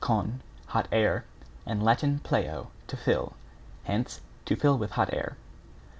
con, hot air, and Lat. pleo, to fill. Hence, to fill with hot air.